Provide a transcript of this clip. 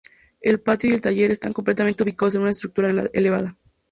El patio y el taller están completamente ubicados en una estructura elevada.